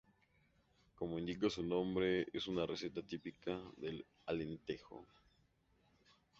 Como indica su nombre, es una receta típica del Alentejo.